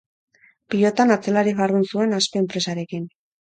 Pilotan, atzelari jardun zuen, Aspe enpresarekin.